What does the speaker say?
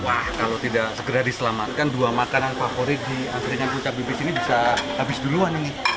wah kalau tidak segera diselamatkan dua makanan favorit di antrian kucar bibis ini bisa habis duluan ini